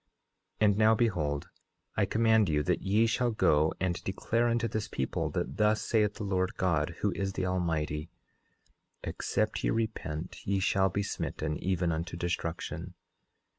10:11 And now behold, I command you, that ye shall go and declare unto this people, that thus saith the Lord God, who is the Almighty: Except ye repent ye shall be smitten, even unto destruction.